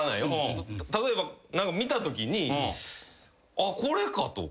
例えば見たときにあっこれかと。